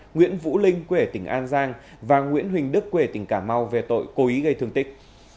nguyễn vũ linh quê tỉnh an giang và nguyễn huỳnh đức quể tỉnh cà mau về tội cố ý gây thương tích